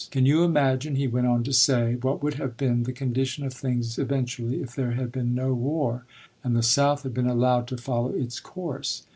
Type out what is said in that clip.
"Can you imagine," he went on to say, "what would have been the condition of things eventually if there had been no war, and the South had been allowed to follow its course?